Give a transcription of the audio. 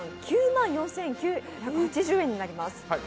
９万４９８０円になります。